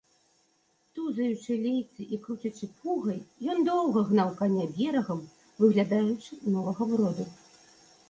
Тузаючы лейцы і круцячы пугай, ён доўга гнаў каня берагам, выглядаючы новага броду.